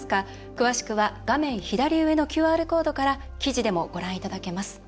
詳しくは画面左上のＱＲコードから記事でもご覧いただけます。